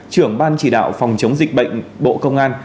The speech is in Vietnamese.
trưởng ban chỉ đạo phòng chống dịch bệnh bộ công an